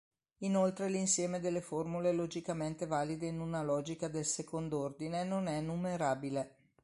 Inoltre l'insieme delle formule logicamente valide in una logica del second'ordine non è numerabile.